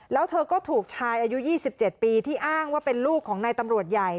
แล้วเธอก็ถูกชายอายุ๒๗ปีที่อ้างว่าเป็นลูกของนายตำรวจใหญ่